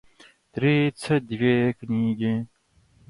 тридцать две книги